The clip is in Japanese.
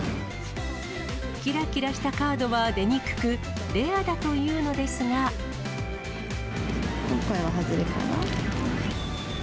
キラキラしたカードは出にくく、今回は外れかな。